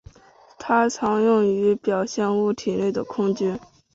它常用于表现物体内的空间。